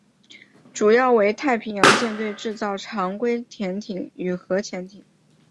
主要为太平洋舰队制造常规潜艇与核潜艇。